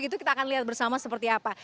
itu kita akan lihat bersama seperti apa